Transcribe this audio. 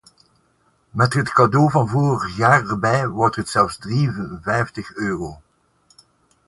Met het cadeau van vorig jaar erbij, wordt het zelfs drieënvijftig euro!